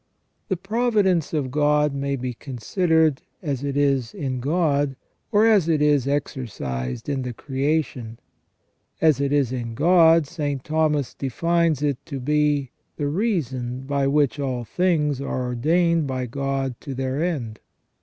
The providence of God may be considered as it is in God, or as it is exercised in the creation. As it is in God, St. Thomas defines it to be " the reason by which all things are ordained by God to their end